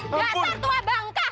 dasar tua bangka